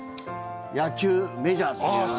野球、メジャーという。